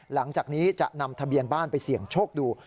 หลังจากนี้จะนำทะเบียนบ้านไปเสี่ยงโชคดู